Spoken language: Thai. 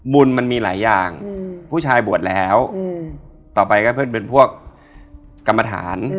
มันมีหลายอย่างผู้ชายบวชแล้วต่อไปก็เพื่อนเป็นพวกกรรมฐาน